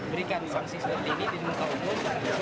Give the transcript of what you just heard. berikan sanksi seperti ini di muka umum